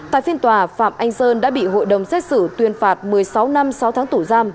tại phiên tòa phạm anh sơn đã bị hội đồng xét xử tuyên phạt một mươi sáu năm sáu tháng tù giam